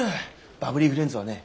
バブリーフレンズはね